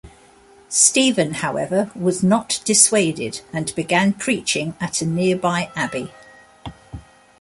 Stephan, however, was not dissuaded, and began preaching at a nearby abbey.